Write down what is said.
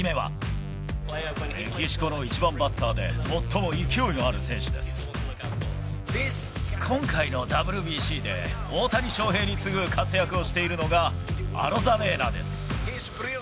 メキシコの１番バッターで、今回のＷＢＣで、大谷翔平に次ぐ活躍をしているのが、アロザレーナです。